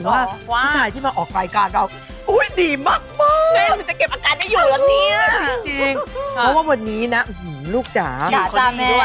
อยากจะกริสับแยกให้ผมนำต่อกัน